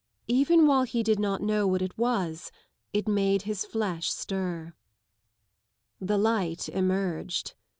Even while he did not know what H was it made his flesh stir. The light emerged.